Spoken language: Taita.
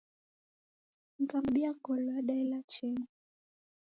Nikamkabia ngolo yadaela cheni